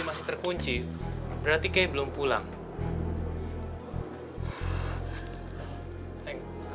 kamu semua apa aja yang kita lihat di sana buzz suis itu